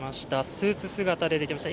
スーツ姿で出てきました。